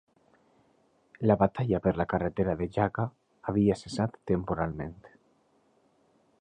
La batalla per la carretera de Jaca havia cessat temporalment